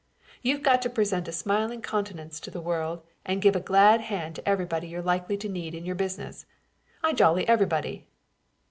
You've got to present a smiling countenance to the world and give the glad hand to everybody you're likely to need in your business. I jolly everybody!"